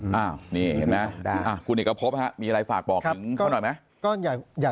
อ้าวนี่เห็นไหมคุณเอกพบมีอะไรฝากบอกถึงเขาหน่อยไหม